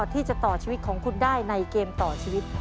ที่จะต่อชีวิตของคุณได้ในเกมต่อชีวิต